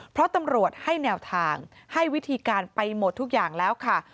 เพราะตำรวจให้แนวทางให้วิธีการไปหมดทุกอย่างแล้วค่ะ